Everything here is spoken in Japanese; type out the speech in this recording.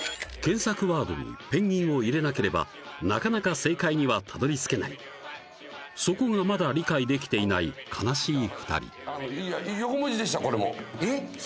検索ワードにペンギンを入れなければなかなか正解にはたどり着けないそこがまだ理解できていない悲しい２人横文字でしたこれもえっ？